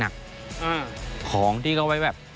ของที่เขาเอาไว้